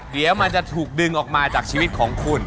เดี๋ยวมันจะถูกดึงออกมาจากชีวิตของคุณ